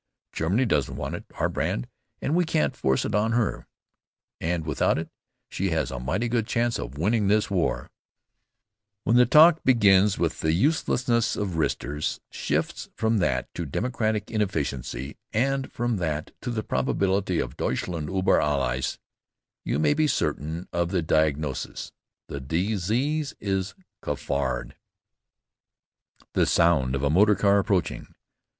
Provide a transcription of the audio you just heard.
"Germany doesn't want it, our brand, and we can't force it on her." "And without it, she has a mighty good chance of winning this war " When the talk begins with the uselessness of wristers, shifts from that to democratic inefficiency, and from that to the probability of Deutschland über Alles, you may be certain of the diagnosis. The disease is cafard. The sound of a motor car approaching.